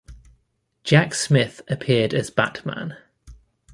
Jack Smith appeared as Batman.